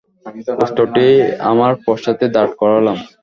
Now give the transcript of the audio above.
উষ্ট্রটি আমার পশ্চাতে দাঁড় করালাম।